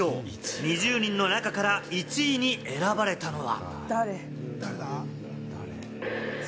２０人の中から１位に選ばれたのは。